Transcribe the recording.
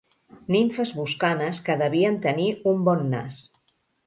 Nimfes boscanes que devien tenir un bon nas.